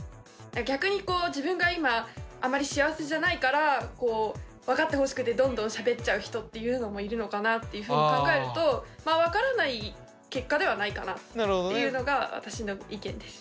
逆にこう自分が今あまり幸せじゃないから分かってほしくてどんどんしゃべっちゃう人というのもいるのかなというふうに考えると分からない結果ではないかなっていうのが私の意見です。